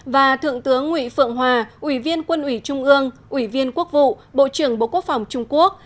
và thượng tướng nguyễn phượng hòa ủy viên quân ủy trung ương ủy viên quốc vụ bộ trưởng bộ quốc phòng trung quốc